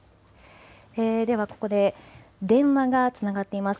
では、ここで電話がつながっています。